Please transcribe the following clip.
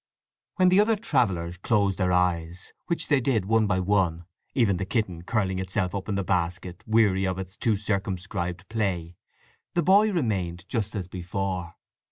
When the other travellers closed their eyes, which they did one by one—even the kitten curling itself up in the basket, weary of its too circumscribed play—the boy remained just as before.